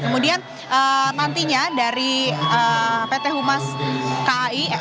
kemudian nantinya dari pt humas kai